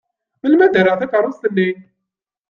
Melmi ara d-rreɣ takeṛṛust-nni?